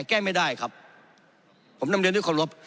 แก้ไม่ได้ครับผมนำเรียนด้วยเคารพ